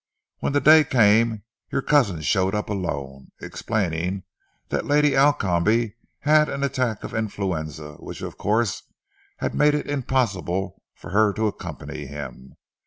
When the day came, your cousin showed up alone, explaining that Lady Alcombe had an attack of influenza which, of course, had made it impossible for her to accompany him.